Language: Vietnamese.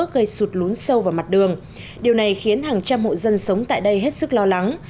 gây sụt lún sâu vào mặt đường điều này khiến hàng trăm hộ dân sống tại đây hết sức lo lắng